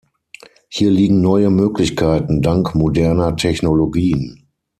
Hier liegen neue Möglichkeiten dank moderner Technologien.